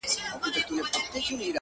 د څه ووايم سرې تبې نيولی پروت دی-